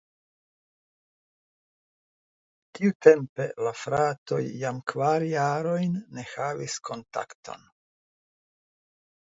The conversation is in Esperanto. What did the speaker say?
Tiutempe la fratoj jam kvar jarojn ne havis kontakton.